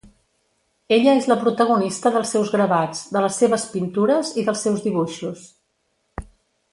Ella és la protagonista dels seus gravats, de les seves pintures i dels seus dibuixos.